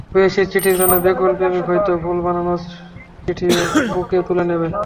প্রেয়সীর চিঠির জন্য ব্যাকুল প্রেমিক হয়তো ভুল বানানের চিঠিও বুকে তুলে নেবে।